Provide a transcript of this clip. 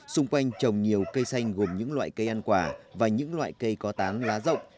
xung quanh trồng nhiều cây xanh gồm những loại cây ăn quả và những loại cây có tán lá rộng